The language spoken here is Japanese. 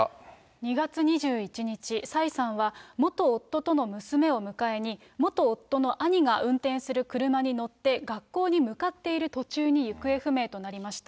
２月２１日、蔡さんは、元夫との娘を迎えに、元夫の兄が運転する車に乗って学校に向かっている途中に行方不明となりました。